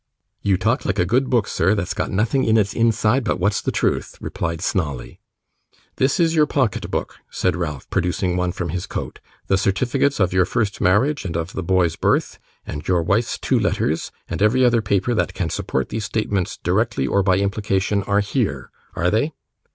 'You talk like a good book, sir, that's got nothing in its inside but what's the truth,' replied Snawley. 'This is your pocket book,' said Ralph, producing one from his coat; 'the certificates of your first marriage and of the boy's birth, and your wife's two letters, and every other paper that can support these statements directly or by implication, are here, are they?